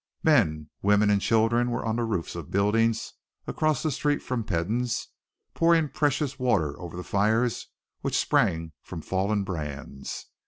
Men, women, and children were on the roofs of buildings across the street from Peden's, pouring precious water over the fires which sprang from falling brands.